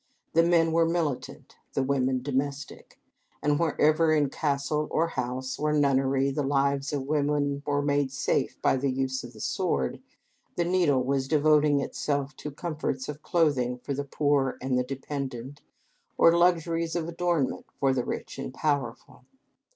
The men were militant, the women domestic, and wherever in castle or house or nunnery the lives of women were made safe by the use of the sword the needle was devoting itself to comforts of clothing for the poor and dependent, or luxuries of adornment for the rich and powerful.